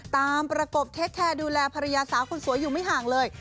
ประกบเทคแคร์ดูแลภรรยาสาวคนสวยอยู่ไม่ห่างเลย